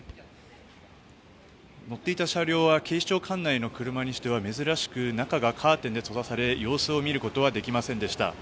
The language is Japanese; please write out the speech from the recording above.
乗っていた車両は警視庁管内の車にしては珍しく中がカーテンで閉ざされ様子を見ることはできませんでした。